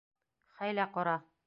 Хәйлә ҡора.